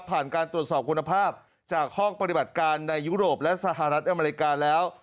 การตรวจสอบคุณภาพจากห้องปฏิบัติการในยุโรปและสหรัฐอเมริกาแล้ว